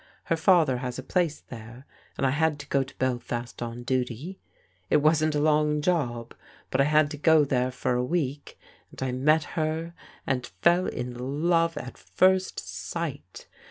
Her father has a place there, and I had to go to Belfast on duty. It wasn't a long job, but I had to go there for a week, and I met her, and fell m love at first sight.